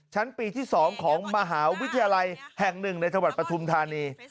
ชั้นปีที่๒ของมหาวิทยาลัยแห่ง๑ในจังหวัดปฐุมธานี